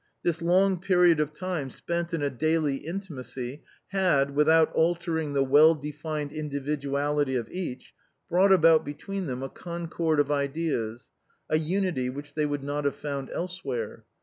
This long period of time spent in a daily intimacy had, without altering the well defined individuality of each, brought about between them a concord of ideas — a unity which they would not have formed elsewhere.